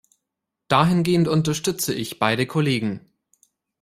Dahingehend unterstütze ich beide Kollegen.